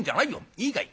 いいかい？